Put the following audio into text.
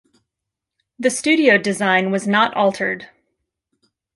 The studio design was not altered.